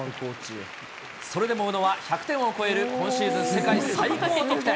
それでも宇野は１００点を超える今シーズン世界最高得点。